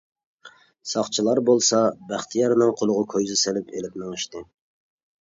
ساقچىلار بولسا بەختىيارنىڭ قۇلىغا كويزا سېلىپ ئېلىپ مېڭىشتى.